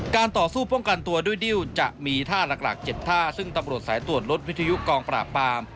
ต่อสู้ป้องกันตัวด้วยดิ้วจะมีท่าหลัก๗ท่าซึ่งตำรวจสายตรวจรถวิทยุกองปราบปาม